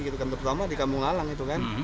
terutama di kamungalang itu kan